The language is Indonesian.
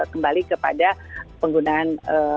kembali kepada penggunaan